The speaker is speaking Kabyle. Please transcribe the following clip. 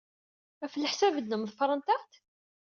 Ɣef leḥsab-nnem, ḍefrent-aɣ-d?